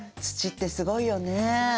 土ってすごいよね。